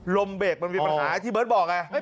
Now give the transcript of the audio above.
เบรกมันมีปัญหาที่เบิร์ตบอกไง